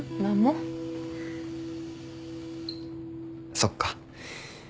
そっか。